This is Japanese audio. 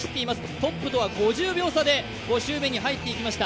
トップとは５０秒差で５周目に入ってきました。